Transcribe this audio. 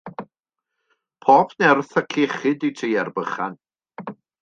Pob nerth ac iechyd i ti a'r bychan.